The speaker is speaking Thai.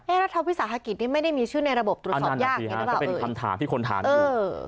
เอ๊ะรัฐวิทยาศาสตร์ศักดิ์นี่ไม่ได้มีชื่อในระบบตรวจสอบยากอย่างนี้หรือเปล่านั่นแหละสิฮะก็เป็นคำถามที่คนถามอยู่เออ